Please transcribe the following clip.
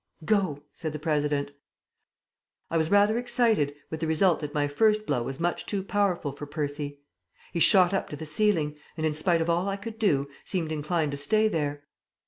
"Go!" said the President. I was rather excited, with the result that my first blow was much too powerful for Percy. He shot up to the ceiling and, in spite of all I could do, seemed inclined to stay there.